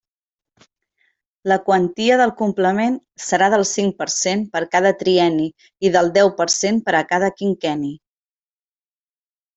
La quantia del complement serà del cinc per cent per cada trienni i del deu per cent per a cada quinquenni.